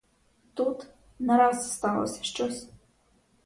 Тут — нараз сталося щось.